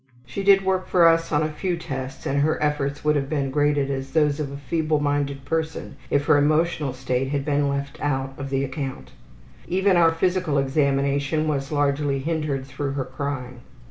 She did work for us on a few tests and her efforts would have been graded as those of a feebleminded person if her emotional state had been left out of account. Even our physical examination was largely hindered through her crying.